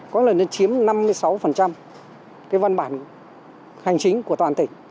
có lẽ nó chiếm năm mươi sáu cái văn bản hành chính của toàn tỉnh